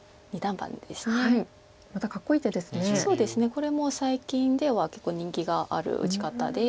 これも最近では結構人気がある打ち方で。